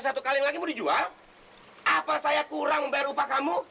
bukan karena apa saja iniance itu